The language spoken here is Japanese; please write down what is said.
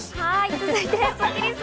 続いて占いスッキりす。